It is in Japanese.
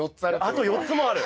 あと４つもある！